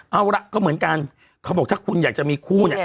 เอาละก็เหมือนกันเขาบอกถ้าคุณอยากจะมีคู่เนี่ย